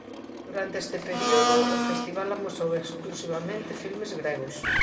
Durante este período o festival amosou exclusivamente filmes gregos.